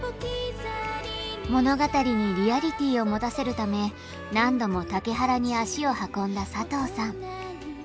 物語にリアリティーを持たせるため何度も竹原に足を運んだ佐藤さん。